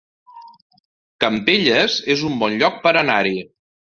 Campelles es un bon lloc per anar-hi